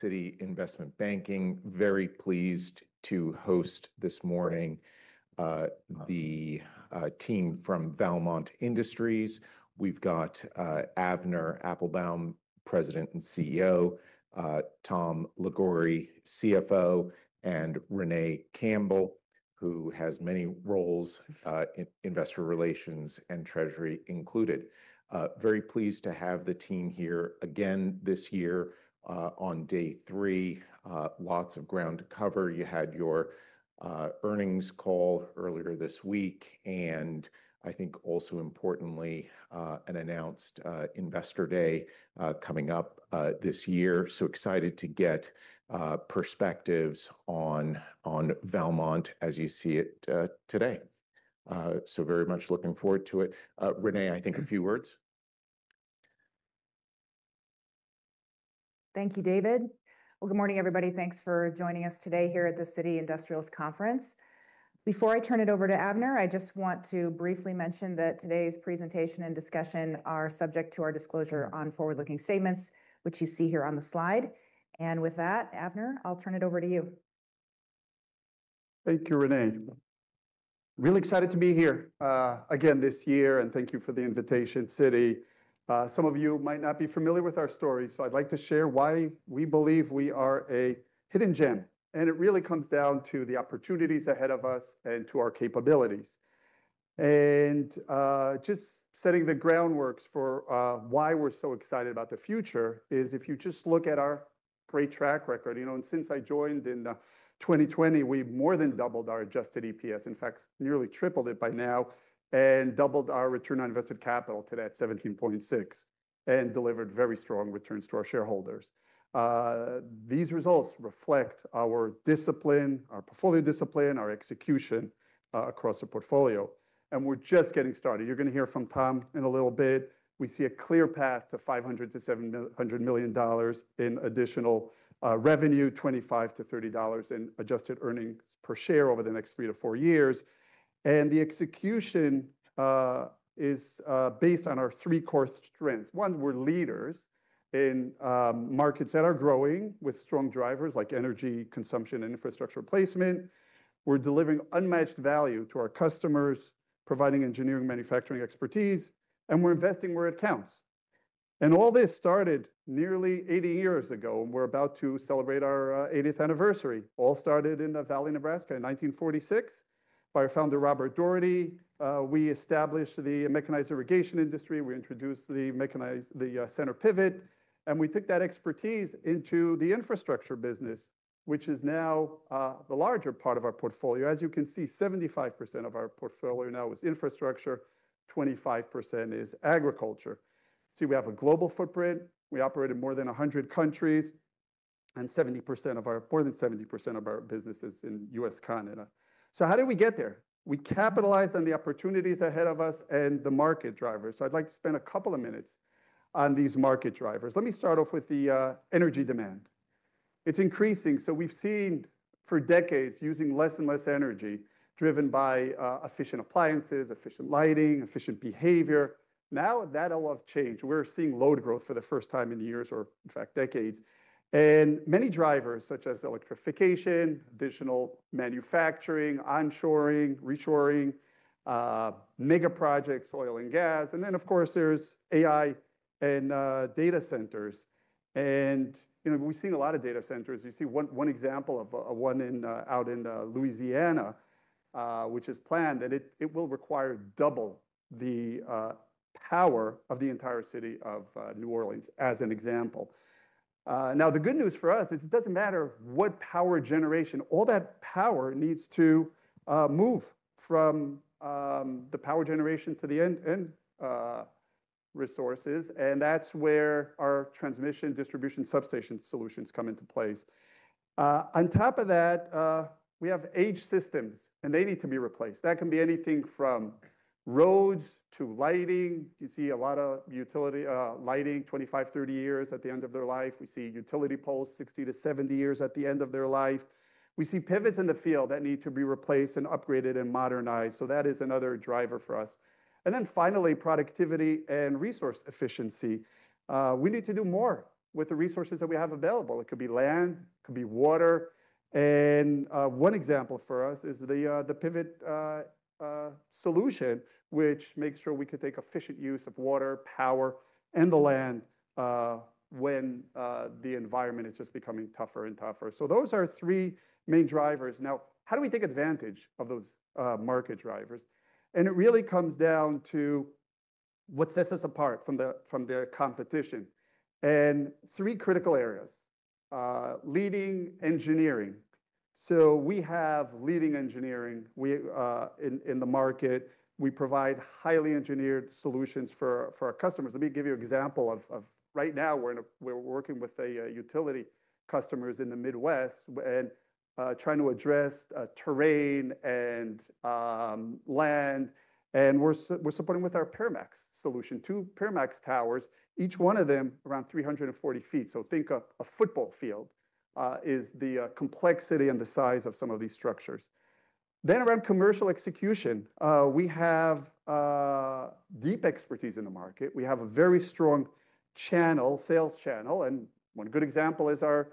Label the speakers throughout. Speaker 1: Citi Investment Banking. Very pleased to host this morning, the team from Valmont Industries. We've got Avner Applbaum, President and CEO, Tom Liguori, CFO, and Renee Campbell, who has many roles in investor relations and treasury included. Very pleased to have the team here again this year, on day three. Lots of ground to cover. You had your earnings call earlier this week, and I think also importantly, an announced Investor Day coming up this year. So excited to get perspectives on Valmont as you see it today. So very much looking forward to it. Renee, I think a few words?
Speaker 2: Thank you, David. Well, good morning, everybody. Thanks for joining us today here at the Citi Industrials Conference. Before I turn it over to Avner, I just want to briefly mention that today's presentation and discussion are subject to our disclosure on forward-looking statements, which you see here on the slide. With that, Avner, I'll turn it over to you.
Speaker 3: Thank you, Renee. Really excited to be here, again this year, and thank you for the invitation, Citi. Some of you might not be familiar with our story, so I'd like to share why we believe we are a hidden gem, and it really comes down to the opportunities ahead of us and to our capabilities. Just setting the groundwork for why we're so excited about the future is if you just look at our great track record, you know, and since I joined in 2020, we've more than doubled our adjusted EPS, in fact, nearly tripled it by now, and doubled our return on invested capital to that 17.6, and delivered very strong returns to our shareholders. These results reflect our discipline, our portfolio discipline, our execution across the portfolio, and we're just getting started. You're gonna hear from Tom in a little bit. We see a clear path to $500 million-$700 million in additional revenue, $25-$30 in adjusted earnings per share over the next 3-4 years. And the execution is based on our three core strengths. One, we're leaders in markets that are growing with strong drivers like energy consumption and infrastructure placement. We're delivering unmatched value to our customers, providing engineering, manufacturing expertise, and we're investing where it counts. And all this started nearly 80 years ago, and we're about to celebrate our 80th anniversary. All started in Valley, Nebraska, in 1946, by our founder, Robert Daugherty. We established the mechanized irrigation industry. We introduced the mechanized center pivot, and we took that expertise into the infrastructure business, which is now the larger part of our portfolio. As you can see, 75% of our portfolio now is infrastructure, 25% is agriculture. See, we have a global footprint. We operate in more than 100 countries, and more than 70% of our business is in U.S., Canada. So how did we get there? We capitalized on the opportunities ahead of us and the market drivers. So I'd like to spend a couple of minutes on these market drivers. Let me start off with the energy demand. It's increasing, so we've seen for decades, using less and less energy, driven by efficient appliances, efficient lighting, efficient behavior. Now, that all have changed. We're seeing load growth for the first time in years or, in fact, decades. And many drivers, such as electrification, additional manufacturing, onshoring, reshoring, megaprojects, oil and gas, and then, of course, there's AI and data centers. And, you know, we've seen a lot of data centers. You see one example of one in out in Louisiana, which is planned, and it will require double the power of the entire city of New Orleans, as an example. Now, the good news for us is it doesn't matter what power generation. All that power needs to move from the power generation to the end resources, and that's where our transmission, distribution, substation solutions come into place. On top of that, we have aged systems, and they need to be replaced. That can be anything from roads to lighting. You see a lot of utility lighting, 25-30 years at the end of their life. We see utility poles, 60-70 years at the end of their life. We see pivots in the field that need to be replaced and upgraded and modernized, so that is another driver for us. And then finally, productivity and resource efficiency. We need to do more with the resources that we have available. It could be land, it could be water, and one example for us is the pivot solution, which makes sure we can take efficient use of water, power, and the land when the environment is just becoming tougher and tougher. So those are three main drivers. Now, how do we take advantage of those market drivers? And it really comes down to what sets us apart from the, from the competition. Three critical areas, leading engineering. So we have leading engineering, we in the market. We provide highly engineered solutions for our customers. Let me give you an example. Right now, we're working with a utility customers in the Midwest and trying to address terrain and land, and we're supporting with our PyraMAX solution. 2 PyraMAX towers, each one of them around 340 feet. So think a football field is the complexity and the size of some of these structures. Then around commercial execution, we have deep expertise in the market. We have a very strong channel, sales channel, and one good example is our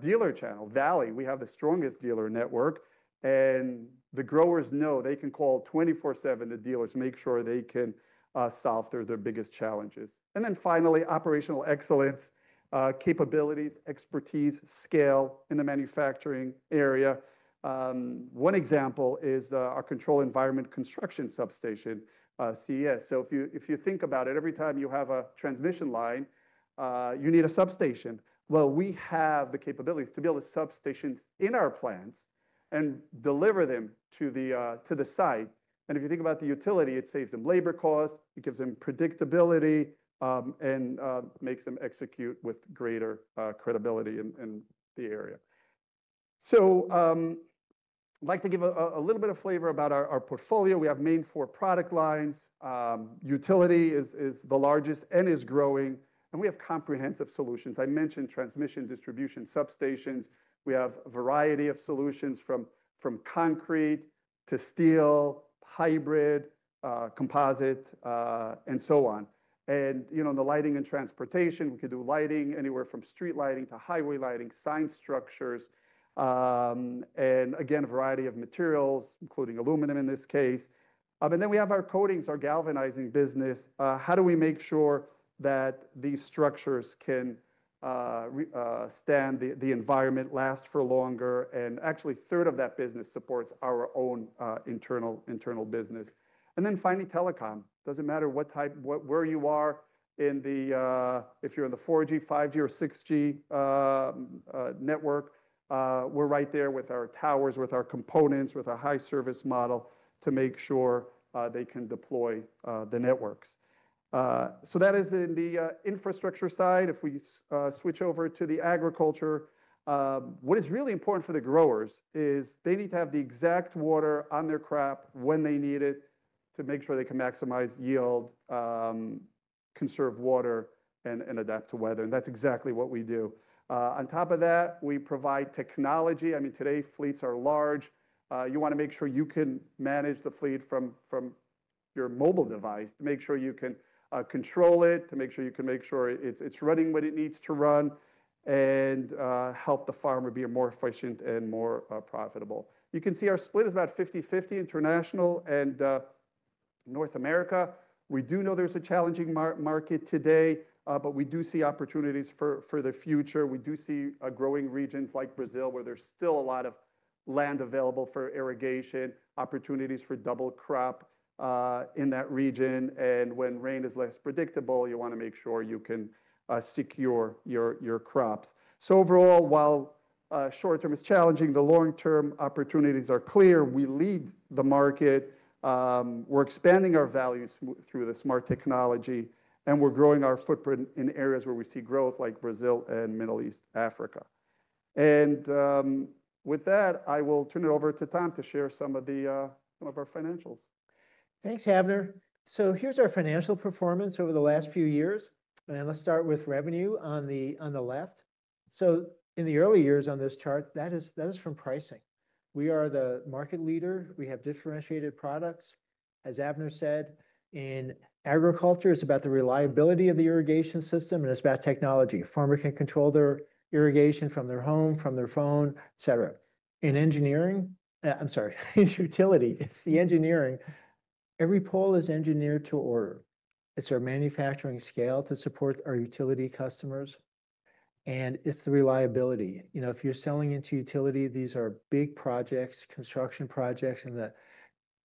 Speaker 3: dealer channel. Valley, we have the strongest dealer network, and the growers know they can call 24/7 the dealers to make sure they can solve their biggest challenges. And then finally, operational excellence, capabilities, expertise, scale in the manufacturing area. One example is our Controlled Environment Substation, CES. So if you think about it, every time you have a transmission line, you need a substation. Well, we have the capabilities to build the substations in our plants and deliver them to the site. And if you think about the utility, it saves them labor costs, it gives them predictability, and makes them execute with greater credibility in the area. So, I'd like to give a little bit of flavor about our portfolio. We have main four product lines. Utility is the largest and is growing, and we have comprehensive solutions. I mentioned transmission, distribution, substations. We have a variety of solutions, from concrete to steel, hybrid, composite, and so on. And, you know, the lighting and transportation, we can do lighting anywhere from street lighting to highway lighting, sign structures, and again, a variety of materials, including aluminum in this case. And then we have our coatings, our galvanizing business. How do we make sure that these structures can resist the environment, last for longer? And actually, a third of that business supports our own internal business. And then finally, telecom. Doesn't matter what type, where you are in the, if you're in the 4G, 5G, or 6G network, we're right there with our towers, with our components, with a high service model to make sure they can deploy the networks. So that is in the infrastructure side. If we switch over to the agriculture, what is really important for the growers is they need to have the exact water on their crop when they need it, to make sure they can maximize yield, conserve water and adapt to weather, and that's exactly what we do. On top of that, we provide technology. I mean, today, fleets are large. You wanna make sure you can manage the fleet from your mobile device, to make sure you can control it, to make sure you can make sure it's running what it needs to run, and help the farmer be more efficient and more profitable. You can see our split is about 50/50 international and North America. We do know there's a challenging market today, but we do see opportunities for the future. We do see a growing regions like Brazil, where there's still a lot of land available for irrigation, opportunities for double crop in that region. And when rain is less predictable, you wanna make sure you can secure your crops. So overall, while short term is challenging, the long-term opportunities are clear. We lead the market, we're expanding our value through the smart technology, and we're growing our footprint in areas where we see growth, like Brazil and Middle East, Africa. With that, I will turn it over to Tom to share some of our financials.
Speaker 4: Thanks, Avner. So here's our financial performance over the last few years, and let's start with revenue on the left. So in the early years on this chart, that is from pricing. We are the market leader. We have differentiated products. As Avner said, in agriculture, it's about the reliability of the irrigation system, and it's about technology. A farmer can control their irrigation from their home, from their phone, et cetera. In engineering, I'm sorry, in utility, it's the engineering. Every pole is engineered to order. It's our manufacturing scale to support our utility customers, and it's the reliability. You know, if you're selling into utility, these are big projects, construction projects, and the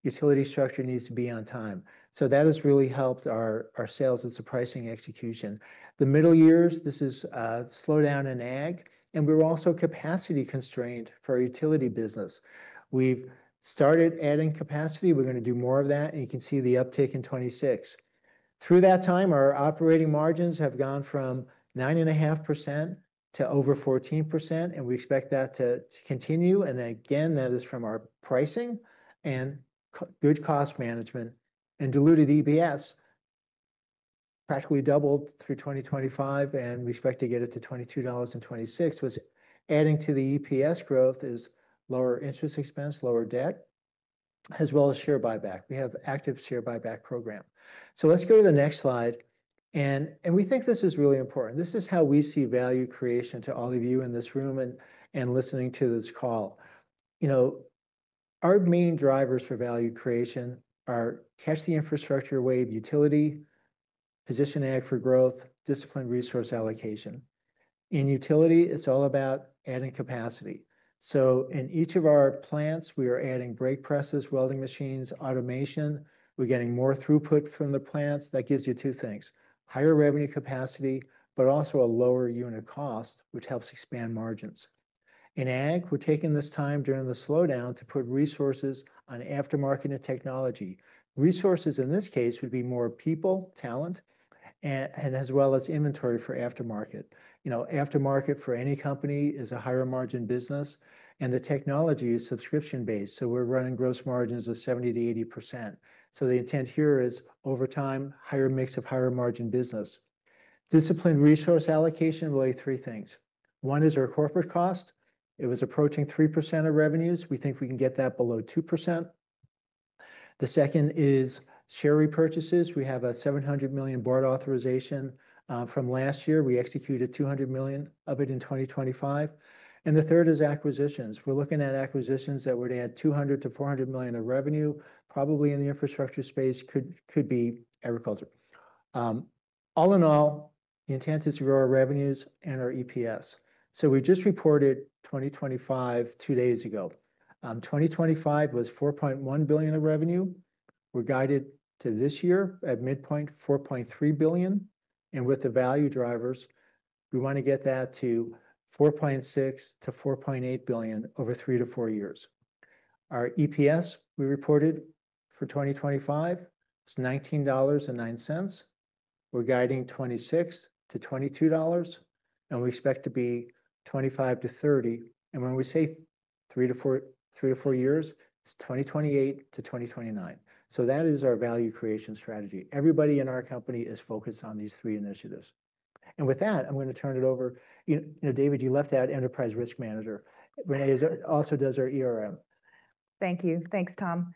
Speaker 4: utility structure needs to be on time. So that has really helped our sales. It's the pricing execution. The middle years, this is a slowdown in ag, and we're also capacity constrained for our utility business. We've started adding capacity. We're gonna do more of that, and you can see the uptick in 2026. Through that time, our operating margins have gone from 9.5% to over 14%, and we expect that to, to continue. And then again, that is from our pricing and cost-good cost management. Diluted EPS practically doubled through 2025, and we expect to get it to $22 in 2026. What's adding to the EPS growth is lower interest expense, lower debt, as well as share buyback. We have active share buyback program. So let's go to the next slide, and, and we think this is really important. This is how we see value creation to all of you in this room and listening to this call. You know, our main drivers for value creation are: catch the infrastructure wave utility, position ag for growth, disciplined resource allocation. In utility, it's all about adding capacity. So in each of our plants, we are adding brake presses, welding machines, automation. We're getting more throughput from the plants. That gives you two things: higher revenue capacity, but also a lower unit cost, which helps expand margins. In ag, we're taking this time during the slowdown to put resources on aftermarket and technology. Resources in this case would be more people, talent, and as well as inventory for aftermarket. You know, aftermarket for any company is a higher margin business, and the technology is subscription-based, so we're running gross margins of 70%-80%. So the intent here is, over time, higher mix of higher margin business. Disciplined resource allocation, really three things: One is our corporate cost. It was approaching 3% of revenues. We think we can get that below 2%. The second is share repurchases. We have a $700 million board authorization from last year. We executed $200 million of it in 2025. And the third is acquisitions. We're looking at acquisitions that would add $200 million-$400 million of revenue, probably in the infrastructure space, could be agriculture. All in all, the intent is to grow our revenues and our EPS. So we just reported 2025, two days ago. 2025 was $4.1 billion of revenue. We're guiding to this year at midpoint $4.3 billion, and with the value drivers, we want to get that to $4.6-$4.8 billion over 3-4 years. Our EPS, we reported for 2025, is $19.09. We're guiding 26 to 22 dollars, and we expect to be 25-30. And when we say 3-4, 3-4 years, it's 2028-2029. So that is our value creation strategy. Everybody in our company is focused on these three initiatives. And with that, I'm gonna turn it over—You know, David, you left out enterprise risk manager. Renee is—also does our ERM.
Speaker 2: Thank you. Thanks, Tom.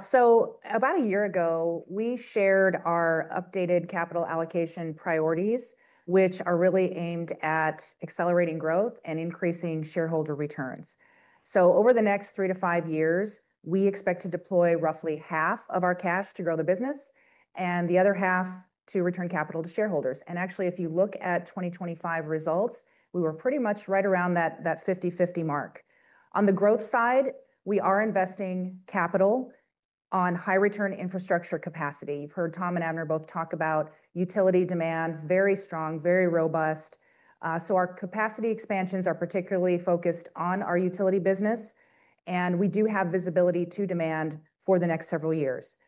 Speaker 2: So about a year ago, we shared our updated capital allocation priorities, which are really aimed at accelerating growth and increasing shareholder returns. So over the next 3-5 years, we expect to deploy roughly half of our cash to grow the business, and the other half to return capital to shareholders. And actually, if you look at 2025 results, we were pretty much right around that, that 50/50 mark. On the growth side, we are investing capital on high-return infrastructure capacity. You've heard Tom and Avner both talk about utility demand, very strong, very robust. So our capacity expansions are particularly focused on our utility business, and we do have visibility to demand for the next several years.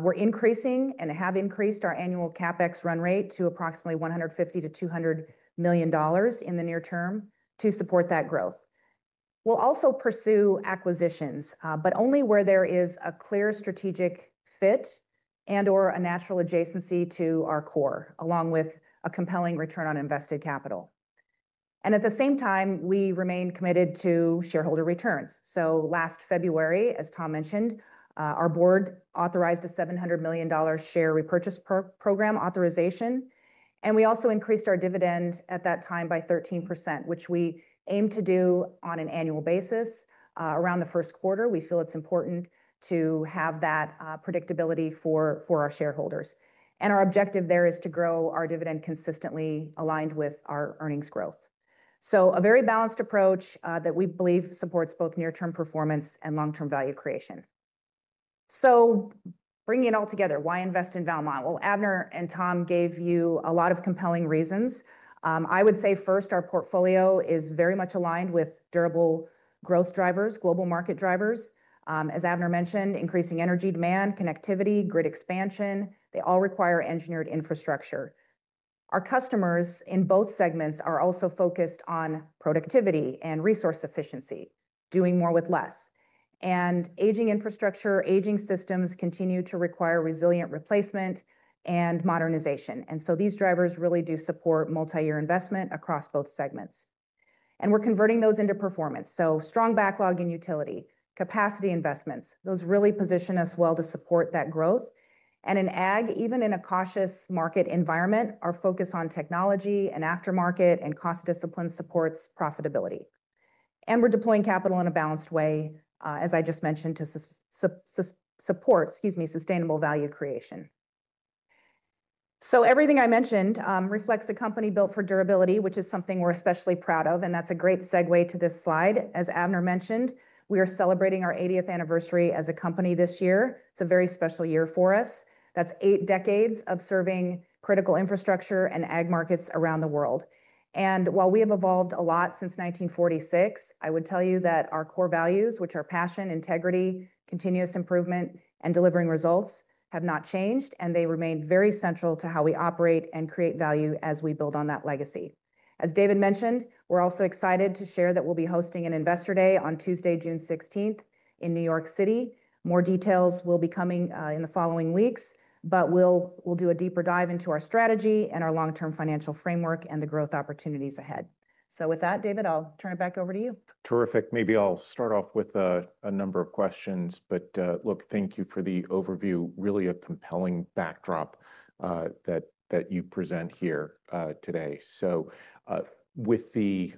Speaker 2: We're increasing, and have increased, our annual CapEx run rate to approximately $150 million-$200 million in the near term to support that growth. We'll also pursue acquisitions, but only where there is a clear strategic fit and/or a natural adjacency to our core, along with a compelling return on invested capital. At the same time, we remain committed to shareholder returns. Last February, as Tom mentioned, our board authorized a $700 million share repurchase program authorization, and we also increased our dividend at that time by 13%, which we aim to do on an annual basis, around the first quarter. We feel it's important to have that predictability for our shareholders. Our objective there is to grow our dividend consistently aligned with our earnings growth. So a very balanced approach, that we believe supports both near-term performance and long-term value creation. So bringing it all together, why invest in Valmont? Well, Avner and Tom gave you a lot of compelling reasons. I would say first, our portfolio is very much aligned with durable growth drivers, global market drivers. As Avner mentioned, increasing energy demand, connectivity, grid expansion, they all require engineered infrastructure. Our customers in both segments are also focused on productivity and resource efficiency, doing more with less. And aging infrastructure, aging systems continue to require resilient replacement and modernization. And so these drivers really do support multi-year investment across both segments. And we're converting those into performance. So strong backlog and utility, capacity investments, those really position us well to support that growth. And in ag, even in a cautious market environment, our focus on technology, and aftermarket, and cost discipline supports profitability. We're deploying capital in a balanced way, as I just mentioned, to support, excuse me, sustainable value creation. Everything I mentioned reflects a company built for durability, which is something we're especially proud of, and that's a great segue to this slide. As Avner mentioned, we are celebrating our eightieth anniversary as a company this year. It's a very special year for us. That's eight decades of serving critical infrastructure and ag markets around the world. While we have evolved a lot since 1946, I would tell you that our core values, which are passion, integrity, continuous improvement, and delivering results, have not changed, and they remain very central to how we operate and create value as we build on that legacy. As David mentioned, we're also excited to share that we'll be hosting an Investor Day on Tuesday, June 16, in New York City. More details will be coming in the following weeks, but we'll, we'll do a deeper dive into our strategy, and our long-term financial framework, and the growth opportunities ahead. With that, David, I'll turn it back over to you.
Speaker 1: Terrific. Maybe I'll start off with a number of questions, but look, thank you for the overview, really a compelling backdrop that you present here today. So, with the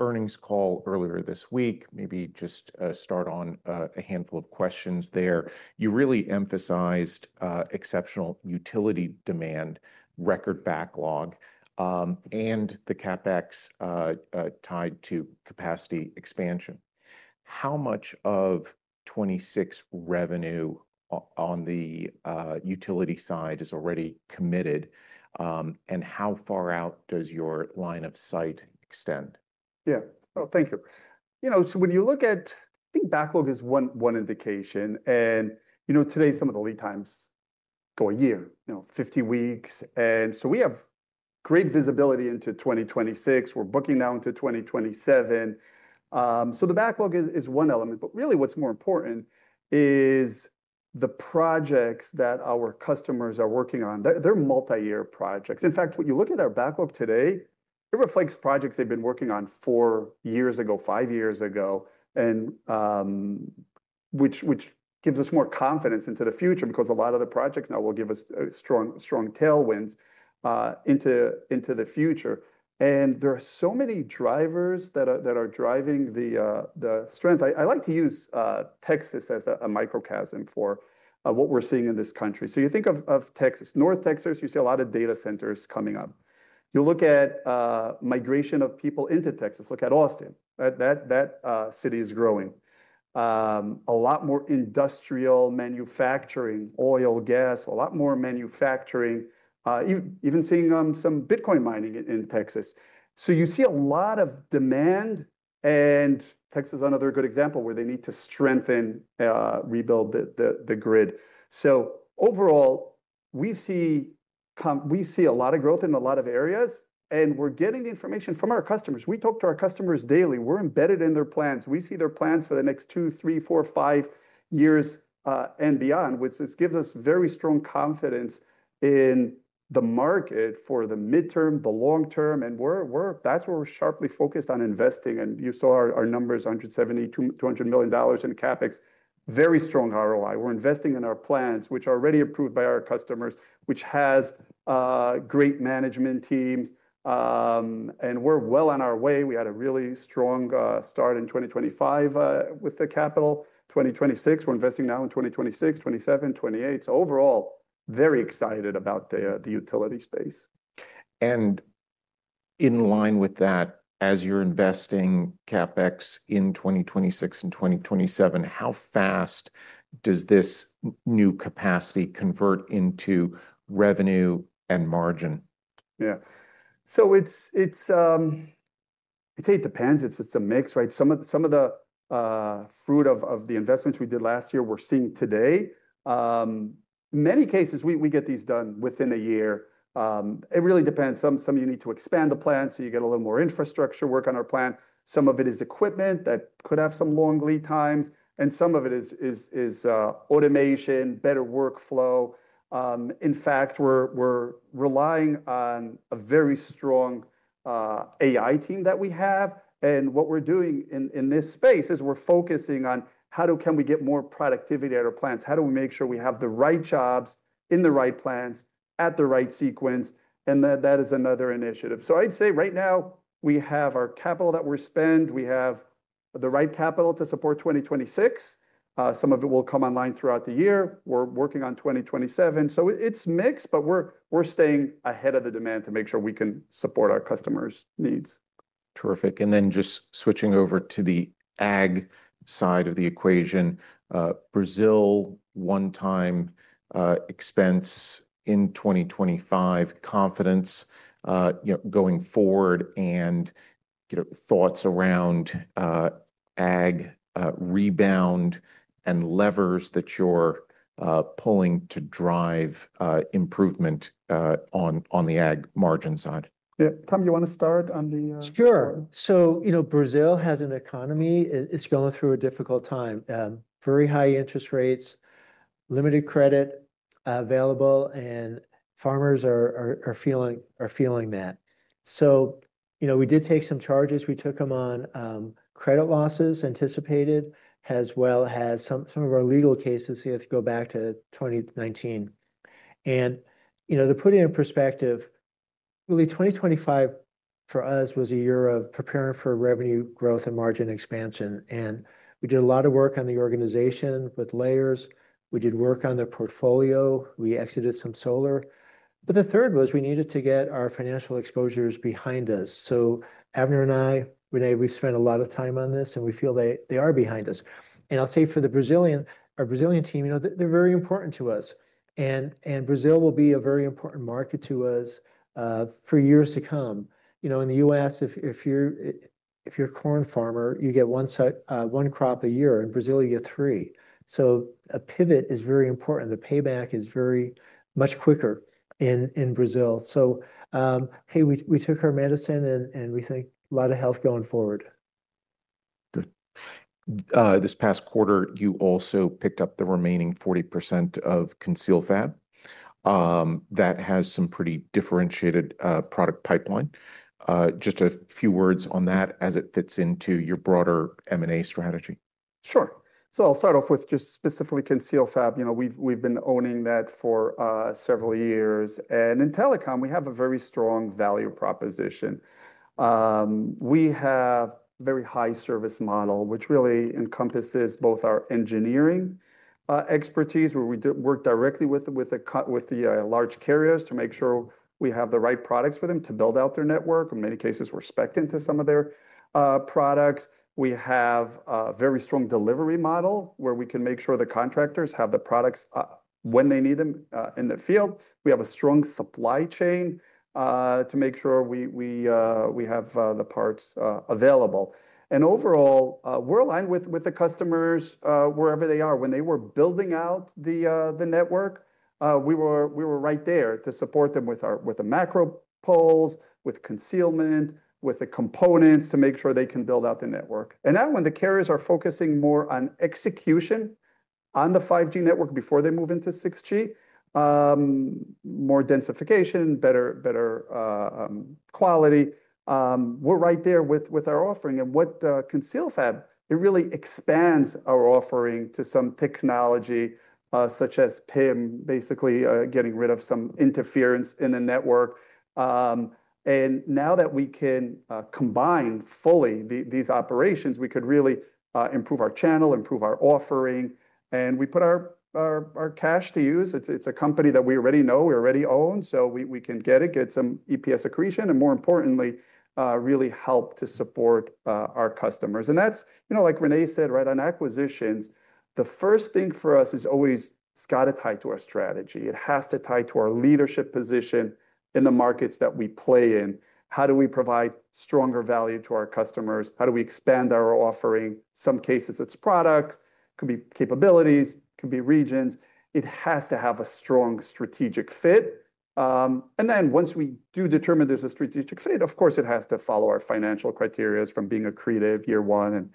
Speaker 1: earnings call earlier this week, maybe just start on a handful of questions there. You really emphasized exceptional utility demand, record backlog, and the CapEx tied to capacity expansion. How much of 2026 revenue on the utility side is already committed, and how far out does your line of sight extend?
Speaker 4: Yeah. Oh, thank you. You know, so when you look at... I think backlog is one, one indication, and, you know, today some of the lead times go a year, you know, 50 weeks, and so we have great visibility into 2026. We're booking now into 2027. So the backlog is, is one element, but really what's more important is-
Speaker 3: The projects that our customers are working on, they're multi-year projects. In fact, when you look at our backlog today, it reflects projects they've been working on four years ago, five years ago, and which gives us more confidence into the future because a lot of the projects now will give us a strong tailwinds into the future. And there are so many drivers that are driving the strength. I like to use Texas as a microcosm for what we're seeing in this country. So you think of Texas. North Texas, you see a lot of data centers coming up. You look at migration of people into Texas, look at Austin. That city is growing. A lot more industrial manufacturing, oil, gas, a lot more manufacturing, even seeing some Bitcoin mining in Texas. So you see a lot of demand, and Texas is another good example where they need to strengthen, rebuild the grid. So overall, we see a lot of growth in a lot of areas, and we're getting the information from our customers. We talk to our customers daily. We're embedded in their plans. We see their plans for the next two, three, four, five years and beyond, which this gives us very strong confidence in the market for the midterm, the long term, and we're, that's where we're sharply focused on investing. And you saw our numbers, $170 million-$200 million in CapEx. Very strong ROI. We're investing in our plans, which are already approved by our customers, which has great management teams. We're well on our way. We had a really strong start in 2025 with the capital. 2026, we're investing now in 2026, 2027, 2028. So overall, very excited about the utility space.
Speaker 1: In line with that, as you're investing CapEx in 2026 and 2027, how fast does this new capacity convert into revenue and margin?
Speaker 3: Yeah. So it's, I'd say it depends. It's a mix, right? Some of the fruit of the investments we did last year, we're seeing today. In many cases, we get these done within a year. It really depends. Some you need to expand the plant, so you get a little more infrastructure work on our plant. Some of it is equipment that could have some long lead times, and some of it is automation, better workflow. In fact, we're relying on a very strong AI team that we have. And what we're doing in this space is we're focusing on how can we get more productivity at our plants? How do we make sure we have the right jobs in the right plants at the right sequence? That is another initiative. So I'd say right now, we have our capital that we spend. We have the right capital to support 2026. Some of it will come online throughout the year. We're working on 2027, so it's mixed, but we're staying ahead of the demand to make sure we can support our customers' needs.
Speaker 1: Terrific. And then just switching over to the ag side of the equation, Brazil one-time expense in 2025, confidence, you know, going forward, and, you know, thoughts around, ag rebound and levers that you're pulling to drive improvement on the ag margin side?
Speaker 3: Yeah. Tom, you want to start on the,
Speaker 4: Sure. So, you know, Brazil has an economy. It's going through a difficult time. Very high interest rates, limited credit available, and farmers are feeling that. So, you know, we did take some charges. We took them on credit losses anticipated, as well as some of our legal cases, you have to go back to 2019. And, you know, to put it in perspective, really 2025, for us, was a year of preparing for revenue growth and margin expansion, and we did a lot of work on the organization with layers. We did work on the portfolio, we exited some solar. But the third was we needed to get our financial exposures behind us. So Avner and I, Renee, we've spent a lot of time on this, and we feel they are behind us. I'll say for the Brazilian—our Brazilian team, you know, they're very important to us. Brazil will be a very important market to us for years to come. You know, in the U.S., if you're a corn farmer, you get one crop a year. In Brazil, you get three. So a pivot is very important. The payback is very much quicker in Brazil. So, we took our medicine, and we think a lot of health going forward.
Speaker 1: Good. This past quarter, you also picked up the remaining 40% of ConcealFab that has some pretty differentiated product pipeline. Just a few words on that as it fits into your broader M&A strategy.
Speaker 3: Sure. So I'll start off with just specifically ConcealFab. You know, we've been owning that for several years, and in telecom, we have a very strong value proposition. We have very high service model, which really encompasses both our engineering expertise, where we work directly with the large carriers to make sure we have the right products for them to build out their network. In many cases, we're specced into some of their products. We have a very strong delivery model, where we can make sure the contractors have the products when they need them in the field. We have a strong supply chain to make sure we have the parts available. And overall, we're aligned with the customers wherever they are. When they were building out the network, we were right there to support them with our macro poles, with concealment, with the components, to make sure they can build out the network. And now when the carriers are focusing more on execution on the 5G network before they move into 6G, more densification, better quality, we're right there with our offering. And what ConcealFab, it really expands our offering to some technology such as PIM, basically getting rid of some interference in the network. And now that we can combine fully these operations, we could really improve our channel, improve our offering, and we put our cash to use. It's a company that we already know, we already own, so we can get some EPS accretion, and more importantly, really help to support our customers. And that's, you know, like Renee said, right, on acquisitions, the first thing for us is always, it's got to tie to our strategy. It has to tie to our leadership position in the markets that we play in. How do we provide stronger value to our customers? How do we expand our offering? Some cases it's products, it could be capabilities, it could be regions. It has to have a strong strategic fit. And then once we do determine there's a strategic fit, of course, it has to follow our financial criteria from being accretive year one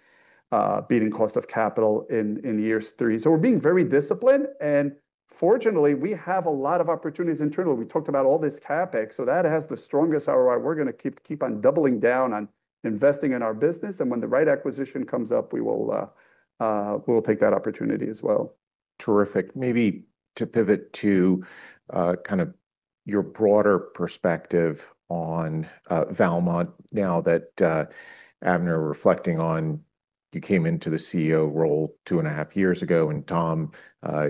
Speaker 3: and beating cost of capital in years three. So we're being very disciplined, and fortunately, we have a lot of opportunities internally. We talked about all this CapEx, so that has the strongest ROI. We're going to keep, keep on doubling down on investing in our business, and when the right acquisition comes up, we will, we'll take that opportunity as well.
Speaker 1: Terrific. Maybe to pivot to kind of your broader perspective on Valmont now that Avner, reflecting on, you came into the CEO role two and a half years ago, and Tom,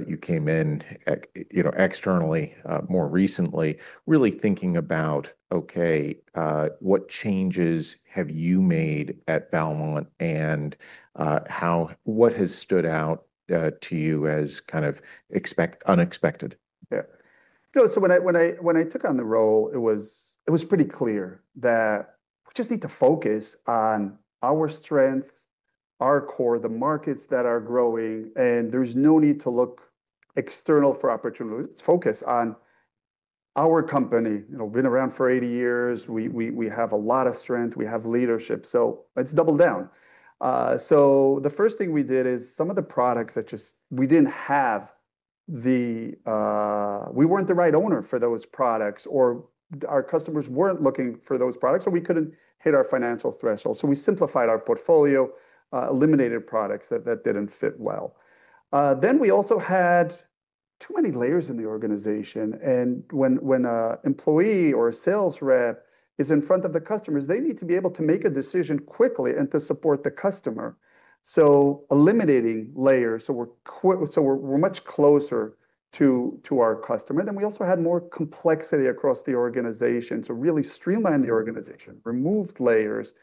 Speaker 1: you came in—you know, externally, more recently, really thinking about, okay, what changes have you made at Valmont and how—what has stood out to you as kind of expect—unexpected?
Speaker 3: Yeah. So when I took on the role, it was pretty clear that we just need to focus on our strengths, our core, the markets that are growing, and there's no need to look external for opportunities. Let's focus on our company. You know, been around for 80 years. We have a lot of strength, we have leadership, so let's double down. So the first thing we did is some of the products that we didn't have the, we weren't the right owner for those products, or our customers weren't looking for those products, or we couldn't hit our financial threshold. So we simplified our portfolio, eliminated products that didn't fit well. Then we also had too many layers in the organization, and when a employee or a sales rep is in front of the customers, they need to be able to make a decision quickly and to support the customer. So eliminating layers, so we're much closer to our customer. Then we also had more complexity across the organization. So really streamline the organization, removed layers,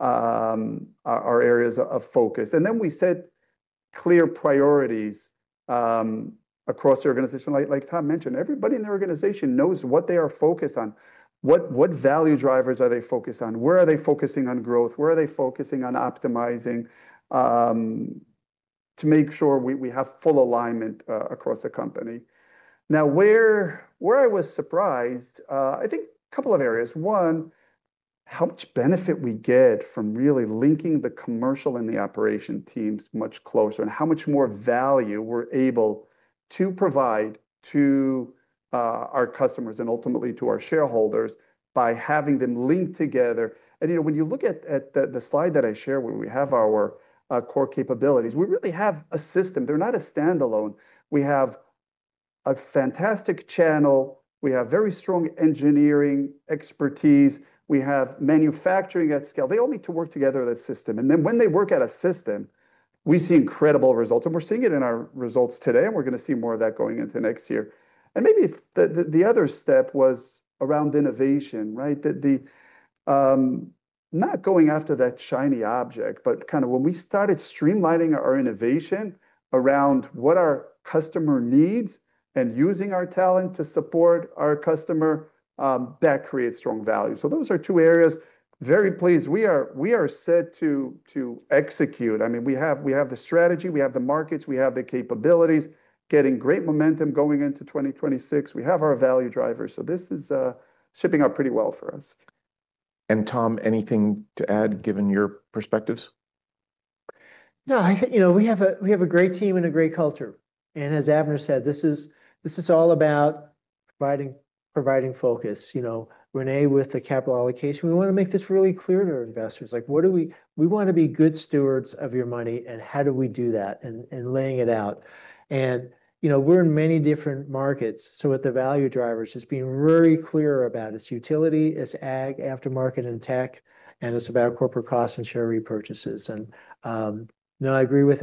Speaker 3: areas of focus. Then we set clear priorities across the organization. Like Tom mentioned, everybody in the organization knows what they are focused on, what value drivers are they focused on? Where are they focusing on growth? Where are they focusing on optimizing? To make sure we have full alignment across the company. Now, where I was surprised, I think a couple of areas. One, how much benefit we get from really linking the commercial and the operation teams much closer, and how much more value we're able to provide to our customers and ultimately to our shareholders, by having them linked together. And, you know, when you look at the slide that I shared, where we have our core capabilities, we really have a system. They're not standalone. We have a fantastic channel, we have very strong engineering expertise, we have manufacturing at scale. They all need to work together as a system. And then when they work as a system, we see incredible results, and we're seeing it in our results today, and we're going to see more of that going into next year. And maybe the other step was around innovation, right? That's the not going after that shiny object, but kind of when we started streamlining our innovation around what our customer needs and using our talent to support our customer, that creates strong value. So those are two areas. Very pleased. We are set to execute. I mean, we have the strategy, we have the markets, we have the capabilities, getting great momentum going into 2026. We have our value drivers, so this is shaping up pretty well for us.
Speaker 1: Tom, anything to add, given your perspectives?
Speaker 4: No, I think, you know, we have a great team and a great culture. And as Avner said, this is all about providing focus. You know, Renee, with the capital allocation, we want to make this really clear to our investors. Like, we want to be good stewards of your money, and how do we do that? And laying it out. And, you know, we're in many different markets, so with the value drivers, just being very clear about it, it's utility, it's ag, aftermarket, and tech, and it's about corporate costs and share repurchases. No, I agree.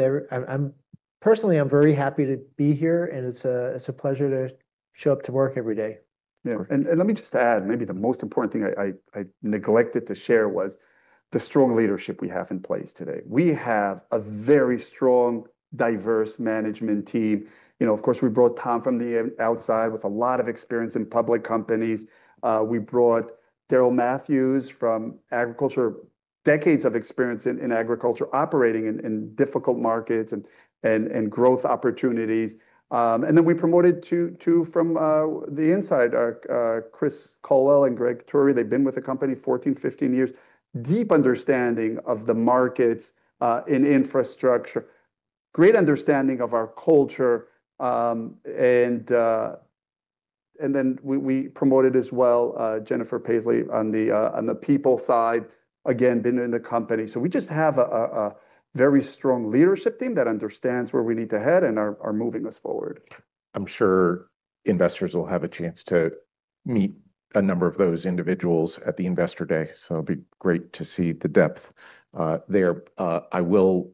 Speaker 4: Personally, I'm very happy to be here, and it's a pleasure to show up to work every day.
Speaker 3: Yeah. And let me just add, maybe the most important thing I neglected to share was the strong leadership we have in place today. We have a very strong, diverse management team. You know, of course, we brought Tom from the outside with a lot of experience in public companies. We brought Darryl Matthews from agriculture, decades of experience in agriculture, operating in difficult markets and growth opportunities. And then we promoted two from the inside, our Chris Colella and Greg Turry. They've been with the company 14, 15 years. Deep understanding of the markets in infrastructure, great understanding of our culture. And then we promoted as well Jennifer Paisley on the people side, again, been in the company. So we just have a very strong leadership team that understands where we need to head and are moving us forward.
Speaker 1: I'm sure investors will have a chance to meet a number of those individuals at the Investor Day, so it'll be great to see the depth, there. I will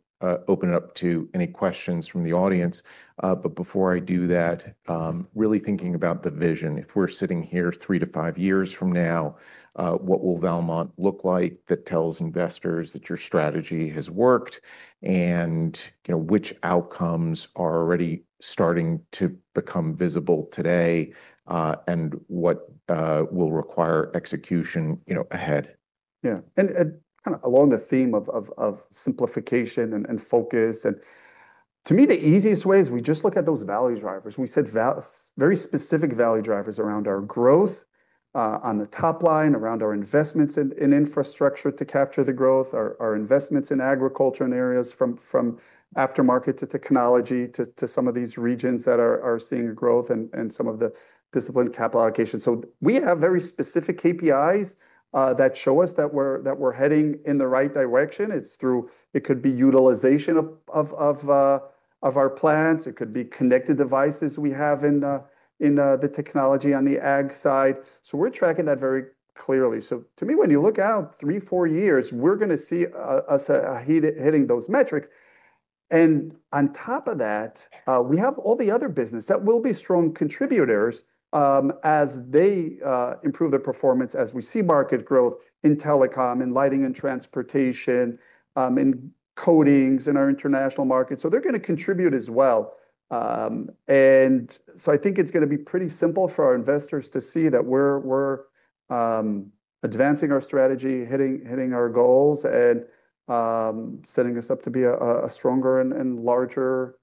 Speaker 1: open it up to any questions from the audience, but before I do that, really thinking about the vision. If we're sitting here 3-5 years from now, what will Valmont look like that tells investors that your strategy has worked? And, you know, which outcomes are already starting to become visible today, and what will require execution, you know, ahead?
Speaker 3: Yeah. And kind of along the theme of simplification and focus, and to me, the easiest way is we just look at those value drivers. We set very specific value drivers around our growth on the top line, around our investments in infrastructure to capture the growth, our investments in agriculture and areas from aftermarket to technology, to some of these regions that are seeing growth and some of the disciplined capital allocation. So we have very specific KPIs that show us that we're heading in the right direction. It's through it could be utilization of our plants, it could be connected devices we have in the technology on the ag side. So we're tracking that very clearly. So to me, when you look out 3-4 years, we're gonna see us hitting those metrics. And on top of that, we have all the other business that will be strong contributors, as they improve their performance, as we see market growth in telecom, in lighting and transportation, in coatings, in our international markets. So they're gonna contribute as well. And so I think it's gonna be pretty simple for our investors to see that we're advancing our strategy, hitting our goals, and setting us up to be a stronger and larger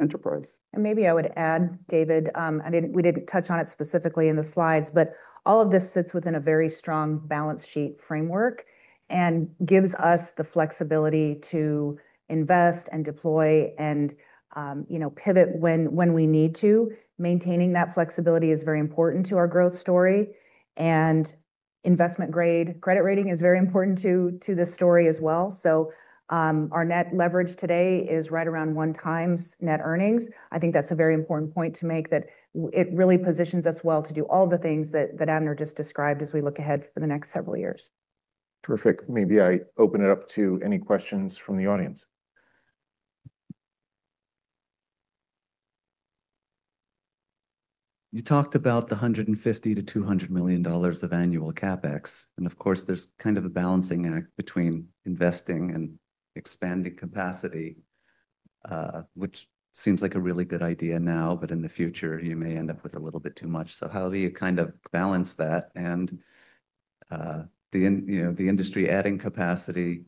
Speaker 3: enterprise.
Speaker 2: And maybe I would add, David, and we didn't touch on it specifically in the slides, but all of this sits within a very strong balance sheet framework and gives us the flexibility to invest and deploy and, you know, pivot when, when we need to. Maintaining that flexibility is very important to our growth story, and investment-grade credit rating is very important to, to this story as well. So, our net leverage today is right around one times net earnings. I think that's a very important point to make, that it really positions us well to do all the things that, that Avner just described as we look ahead for the next several years.
Speaker 1: Terrific. Maybe I open it up to any questions from the audience.
Speaker 5: You talked about the $150 million-$200 million of annual CapEx, and of course, there's kind of a balancing act between investing and expanding capacity, which seems like a really good idea now, but in the future, you may end up with a little bit too much. So how do you kind of balance that? And, you know, the industry adding capacity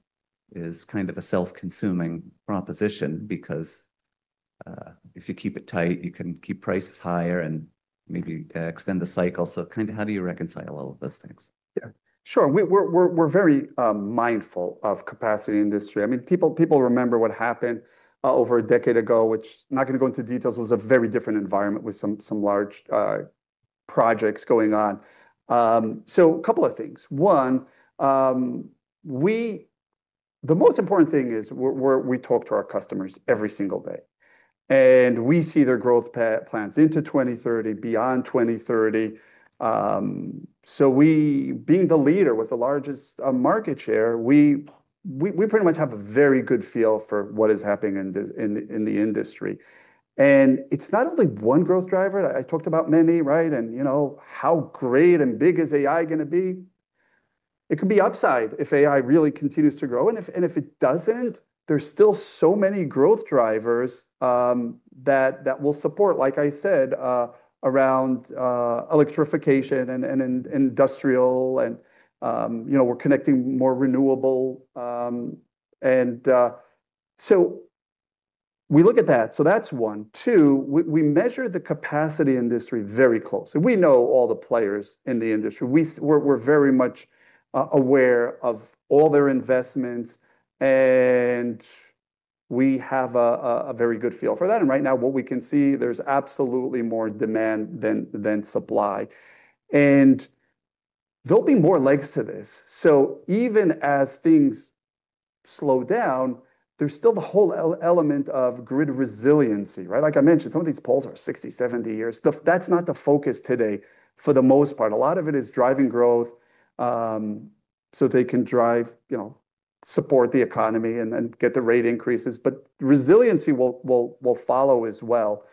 Speaker 5: is kind of a self-consuming proposition because, if you keep it tight, you can keep prices higher and maybe extend the cycle. So kinda how do you reconcile all of those things?
Speaker 3: Yeah, sure. We're very mindful of capacity industry. I mean, people remember what happened over a decade ago, which, not gonna go into details, was a very different environment with some large projects going on. So a couple of things. One, the most important thing is we're, we talk to our customers every single day, and we see their growth plans into 2030, beyond 2030. So we, being the leader with the largest market share, we pretty much have a very good feel for what is happening in the industry. And it's not only one growth driver. I talked about many, right? And, you know, how great and big is AI gonna be? It could be upside if AI really continues to grow, and if it doesn't, there's still so many growth drivers, that will support, like I said, around, electrification and in industrial and, you know, we're connecting more renewable. And so we look at that. So that's one. Two, we measure the coatings industry very closely. We know all the players in the industry. We're very much aware of all their investments, and we have a very good feel for that. And right now, what we can see, there's absolutely more demand than supply, and there'll be more legs to this. So even as things slow down, there's still the whole element of grid resiliency, right? Like I mentioned, some of these poles are 60, 70 years. That's not the focus today for the most part. A lot of it is driving growth, so they can drive, you know, support the economy and get the rate increases, but resiliency will follow as well.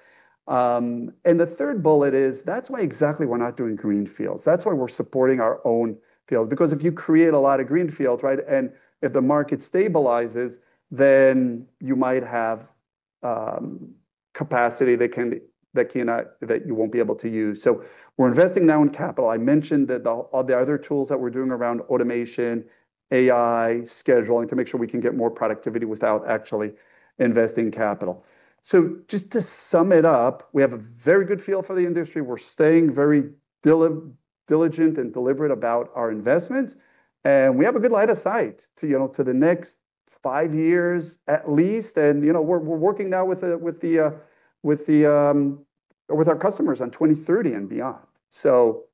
Speaker 3: And the third bullet is, that's why exactly we're not doing greenfields. That's why we're supporting our brownfields. Because if you create a lot of greenfields, right, and if the market stabilizes, then you might have capacity that you won't be able to use. So we're investing now in capital. I mentioned that all the other tools that we're doing around automation, AI, scheduling, to make sure we can get more productivity without actually investing capital. So just to sum it up, we have a very good feel for the industry. We're staying very diligent and deliberate about our investments, and we have a good line of sight to, you know, the next five years at least. And, you know, we're working now with our customers on 2030 and beyond. So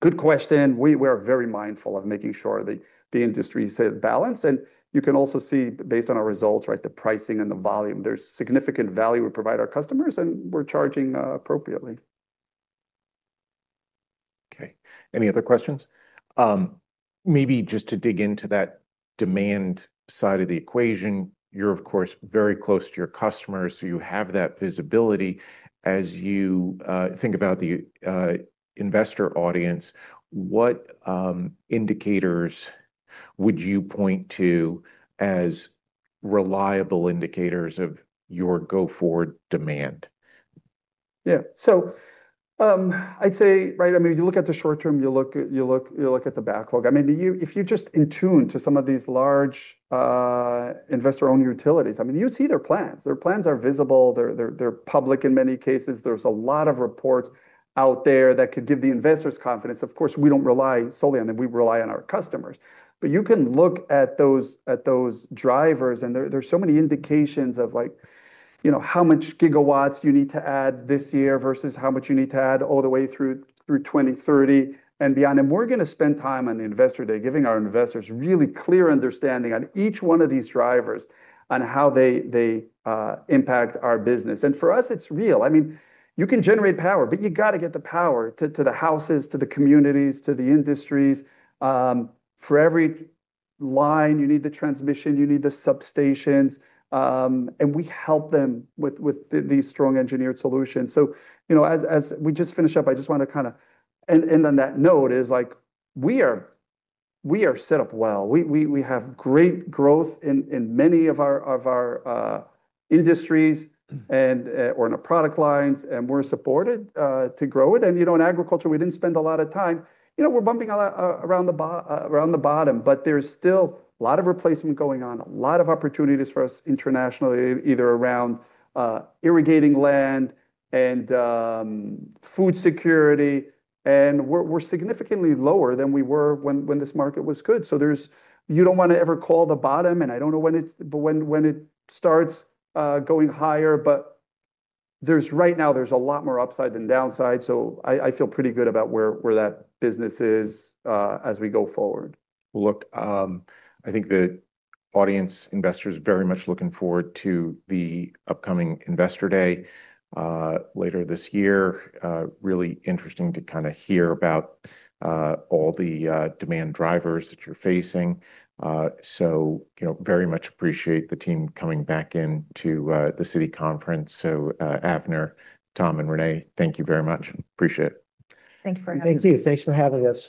Speaker 3: good question. We're very mindful of making sure that the industry is balanced, and you can also see, based on our results, right, the pricing and the volume, there's significant value we provide our customers, and we're charging appropriately.
Speaker 1: Okay, any other questions? Maybe just to dig into that demand side of the equation, you're, of course, very close to your customers, so you have that visibility. As you think about the investor audience, what indicators would you point to as reliable indicators of your go-forward demand?
Speaker 3: Yeah. So, I'd say, right, I mean, you look at the short term, you look at the backlog. I mean, you, if you're just in tune to some of these large investor-owned utilities, I mean, you see their plans. Their plans are visible. They're public in many cases. There's a lot of reports out there that could give the investors confidence. Of course, we don't rely solely on them. We rely on our customers. But you can look at those drivers, and there are so many indications of, like, you know, how much gigawatts you need to add this year versus how much you need to add all the way through 2030 and beyond. We're gonna spend time on the investor day, giving our investors really clear understanding on each one of these drivers on how they impact our business. For us, it's real. I mean, you can generate power, but you gotta get the power to the houses, to the communities, to the industries. For every line, you need the transmission, you need the substations, and we help them with these strong engineered solutions. You know, as we just finish up, I just want to kinda... On that note is, like, we are set up well. We have great growth in many of our industries and or in our product lines, and we're supported to grow it. You know, in agriculture, we didn't spend a lot of time. You know, we're bumping around the bottom, but there's still a lot of replacement going on, a lot of opportunities for us internationally, either around irrigating land and food security, and we're significantly lower than we were when this market was good. So there's-- You don't wanna ever call the bottom, and I don't know when it's, but when it starts going higher, but there's, right now, there's a lot more upside than downside, so I feel pretty good about where that business is as we go forward.
Speaker 1: Well, look, I think the audience, investors are very much looking forward to the upcoming Investor Day later this year. Really interesting to kinda hear about all the demand drivers that you're facing. So, you know, very much appreciate the team coming back in to the Citi conference. So, Avner, Tom, and Renee, thank you very much. Appreciate it.
Speaker 6: Thank you for having us.
Speaker 3: Thank you. Thanks for having us.